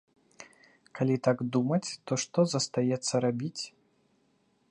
Калі так думаць, то што застаецца рабіць?